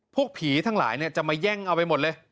พวกผีทั้งหลายจะมาแย่งเอาไปหมดเลย